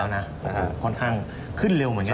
๖๐เหรียญนะค่อนข้างขึ้นเร็วเหมือนกัน